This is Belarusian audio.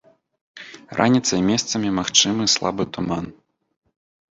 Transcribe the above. Раніцай месцамі магчымы слабы туман.